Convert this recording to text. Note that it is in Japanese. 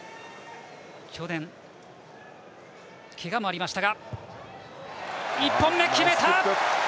去年、けがもありましたが１本目、決めた！